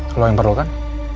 kalo yang perlu kan